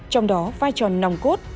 trong đó vai tròn nòng cốt